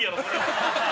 ハハハハ！